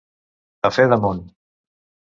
A fe de món.